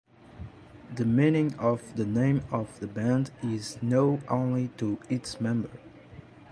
The meaning of the name of the band is known only to its members.